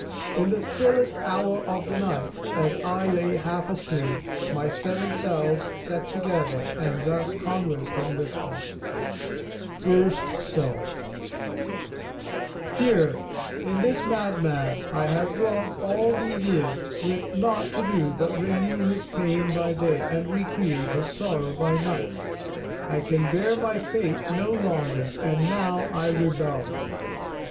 7 Autoplay In the stillest hour of the night, as I lay half asleep, my seven selves sat together and thus conversed in whisper: First Self: Here, in this madman, I have dwelt all these years, with naught to do but renew his pain by day and recreate his sorrow by night. I can bear my fate no longer, and now I rebel.